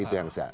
itu yang susah